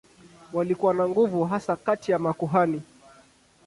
Walikuwa na nguvu hasa kati ya makuhani.